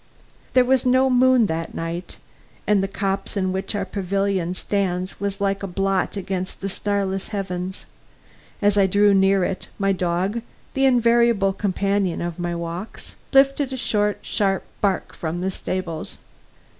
There was no moon that night, and the copse in which our pavilion stands was like a blot against the starless heavens. As I drew near it, my dog, the invariable companion of my walks, lifted a short, sharp bark from the stables.